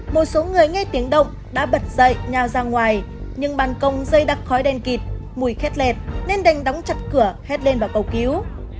một số người nghe tiếng động đã bật dậy nhào ra ngoài nhưng bàn công dây đặc khói đen kịt mùi khét lẹt nên đành đóng chặt cửa hét lên vào cầu cứu